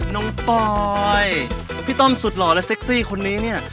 ปอยพี่ต้อมสุดหล่อและเซ็กซี่คนนี้เนี่ย